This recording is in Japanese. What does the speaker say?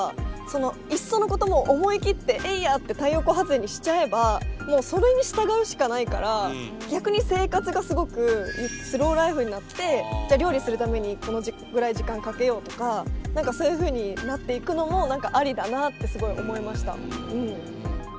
いっそのこともう思い切ってエイヤって太陽光発電にしちゃえばもうそれに従うしかないから逆に生活がすごくスローライフになってじゃ料理するためにこのぐらい時間かけようとか何かそういうふうになっていくのもありだなってすごい思いました。